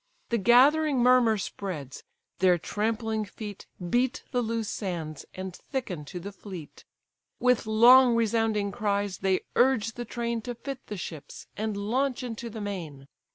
The gathering murmur spreads, their trampling feet Beat the loose sands, and thicken to the fleet; With long resounding cries they urge the train To fit the ships, and launch into the main.